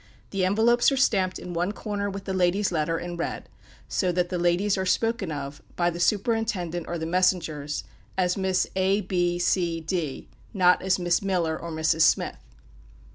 The envelopes are stamped in one corner with the lady's letter, in red; so that the ladies are spoken of, by the superintendent or the messengers, as Miss A, B, C, D not as Miss Miller, or Mrs. Smith.